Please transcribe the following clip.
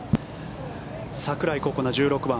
櫻井心那、１６番。